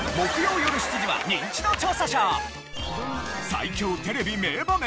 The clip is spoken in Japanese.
最強テレビ名場面。